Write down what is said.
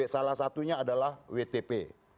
salah satunya adalah wtp